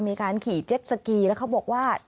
มีการขี่เจ็ดสกีแล้วเขาบอกว่า